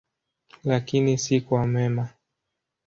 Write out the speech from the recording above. Lakini si kwa mema.